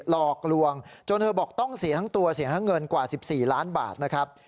หลอกลวงจนเธอบอกต้องเสียทั้งตัวเสียทั้งเงินกว่า๑๔ล้านบาทนะครับ